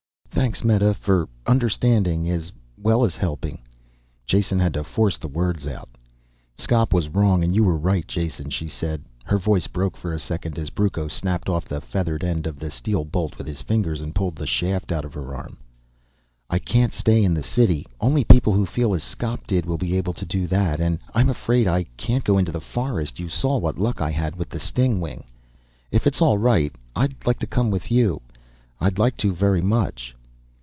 "Thanks, Meta ... for understanding ... as well as helping." Jason had to force the words out. "Skop was wrong and you were right, Jason," she said. Her voice broke for a second as Brucco snapped off the feathered end of the steel bolt with his fingers, and pulled the shaft out of her arm. "I can't stay in the city, only people who feel as Skop did will be able to do that. And I'm afraid I can't go into the forest you saw what luck I had with the stingwing. If it's all right I'd like to come with you. I'd like to very much."